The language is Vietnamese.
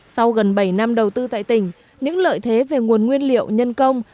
sau gần bảy năm đầu tư tại tỉnh những lợi thế về nguồn nguyên liệu nhân công